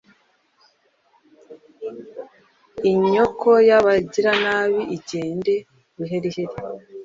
inyoko y’abagiranabi igende buheriheri